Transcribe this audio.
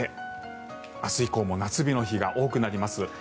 明日以降も夏日の日が多くなります。